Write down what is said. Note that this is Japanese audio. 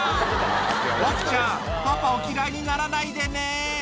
僕ちゃん、パパを嫌いにならないでね。